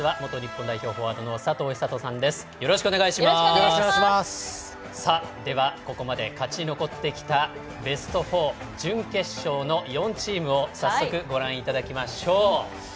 ではここまで勝ち残ってきたベスト４準決勝の４チームを早速ご覧いただきましょう。